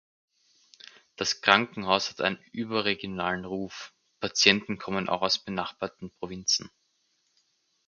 Das Krankenhaus hat einen überregionalen Ruf, Patienten kommen auch aus benachbarten Provinzen.